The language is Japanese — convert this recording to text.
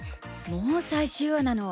もう最終話なの。